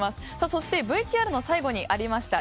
そしてＶＴＲの最後にありました